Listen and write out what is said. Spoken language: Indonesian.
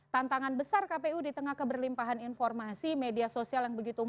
tantangan besar kpu di tengah keberlimpahan informasi media sosial yang begitu banyak